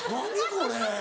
これ。